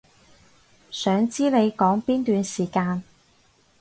想知你講邊段時間